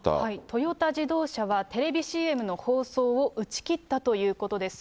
トヨタ自動車は、テレビＣＭの放送を打ち切ったということです。